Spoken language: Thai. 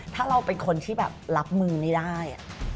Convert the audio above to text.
ถ้าเราเป็นคนที่แบบรับมือไม่ได้